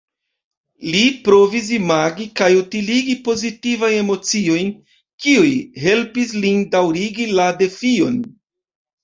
Li provis imagi kaj utiligi pozitivajn emociojn, kiuj helpis lin daŭrigi la defion.